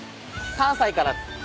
３歳から？